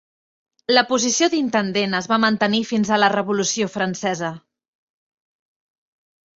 La posició d'intendent es va mantenir fins a la Revolució Francesa.